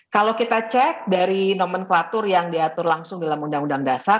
kalau kita cek dari nomenklatur yang diatur langsung dalam undang undang dasar